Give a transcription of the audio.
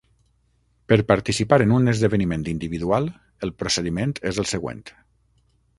Per participar en un esdeveniment individual, el procediment és el següent.